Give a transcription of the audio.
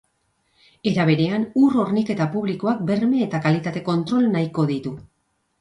Era berean, ur-horniketa publikoak berme eta kalitate kontrol nahiko ditu.